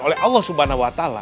oleh allah swt